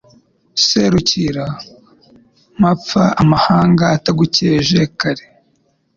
Serukira-mapfa Amahanga atagukeje kare,